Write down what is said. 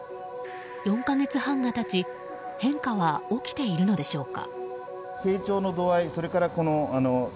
４か月半が経ち変化は起きているのでしょうか。